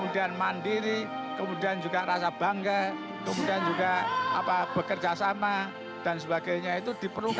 dari langkah langkah sendiri